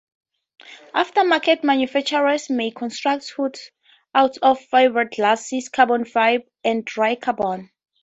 Aftermarket manufacturers may construct hoods out of fiberglass, carbon fiber, or dry carbon.